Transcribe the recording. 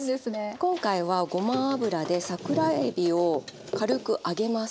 今回はごま油で桜えびを軽く揚げます。